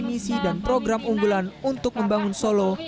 misi dan program unggulan untuk membangun solo